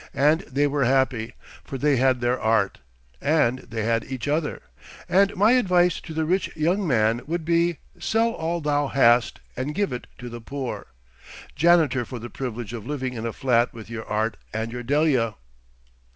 And they were happy; for they had their Art, and they had each other. And my advice to the rich young man would be—sell all thou hast, and give it to the poor—janitor for the privilege of living in a flat with your Art and your Delia.